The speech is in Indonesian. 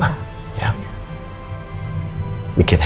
hanya rama bisa terserah